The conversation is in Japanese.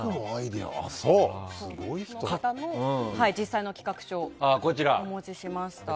その実際の企画書をお持ちしました。